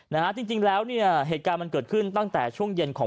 นะฮะจริงจริงแล้วเนี่ยเหตุการณ์มันเกิดขึ้นตั้งแต่ช่วงเย็นของ